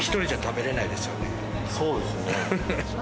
そうですね。